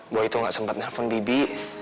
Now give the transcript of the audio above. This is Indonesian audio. buah itu tidak sempat telfon bibi